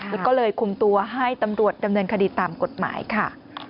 แล้วก็เลยคุมตัวให้ตำรวจดำเนินคดีตามกฎหมายค่ะ